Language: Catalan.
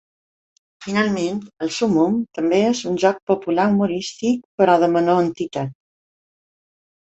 Finalment, el súmmum també és un joc popular humorístic, però de menor entitat.